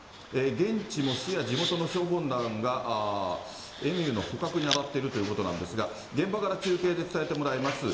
現地も、市や地元の消防団がエミューの捕獲に当たっているということなんですが、現場から中継で伝えてもらいます。